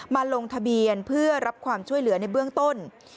ลงทะเบียนเพื่อรับความช่วยเหลือในเบื้องต้น